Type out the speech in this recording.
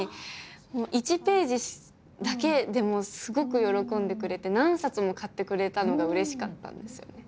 １ページだけでもすごく喜んでくれて何冊も買ってくれたのがうれしかったんですよね。